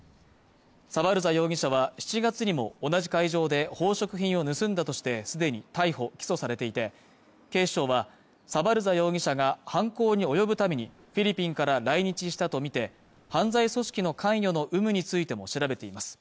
サバルザ容疑者は７月にも同じ会場で宝飾品を盗んだとしてすでに逮捕起訴されていて警視庁はサバルサ容疑者が犯行に及ぶためにフィリピンから来日したとみて犯罪組織の関与の有無についても調べています